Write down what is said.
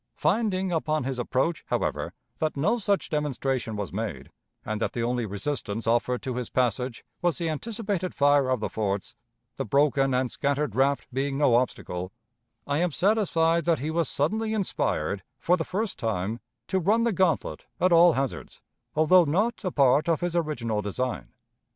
Finding, upon his approach, however, that no such demonstration was made, and that the only resistance offered to his passage was the anticipated fire of the forts the broken and scattered raft being no obstacle I am satisfied that he was suddenly inspired, for the first time, to run the gantlet at all hazards, although not a part of his original design.